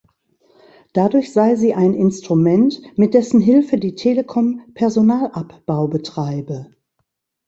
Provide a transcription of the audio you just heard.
Dadurch sei sie ein Instrument, mit dessen Hilfe die Telekom Personalabbau betreibe.